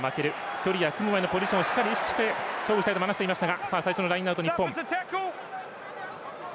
距離や組む前のポジションを意識して勝負したいとも話していました。